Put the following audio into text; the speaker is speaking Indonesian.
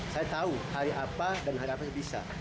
saya tahu hari apa dan hari apa saya bisa